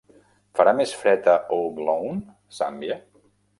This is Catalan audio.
Farà més fred a Oaklawn Zambia?